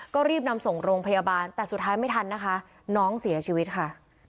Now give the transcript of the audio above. ก็รีบนำส่งโรงพยาบาลแต่สุดท้ายไม่ทันนะคะน้องเสียชีวิตค่ะ